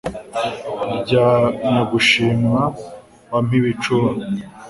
rya nyagushimwa wa mpibicuba